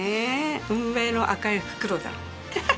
運命の赤い袋だ。